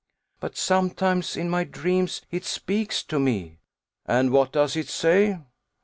"But sometimes, in my dreams, it speaks to me." "And what does it say?"